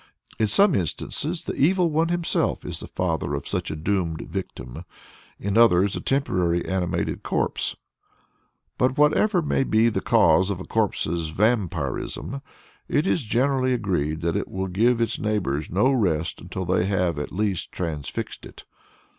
In some instances the Evil One himself is the father of such a doomed victim, in others a temporarily animated corpse. But whatever may be the cause of a corpse's "vampirism," it is generally agreed that it will give its neighbors no rest until they have at least transfixed it.